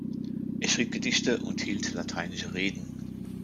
Er schrieb Gedichte und hielt lateinische Reden.